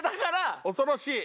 恐ろしい！